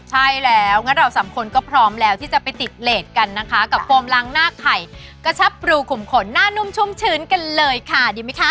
ใช่แล้วงั้นเราสามคนก็พร้อมแล้วที่จะไปติดเลสกันนะคะกับโฟมล้างหน้าไข่กระชับปรูขุมขนหน้านุ่มชุ่มชื้นกันเลยค่ะดีไหมคะ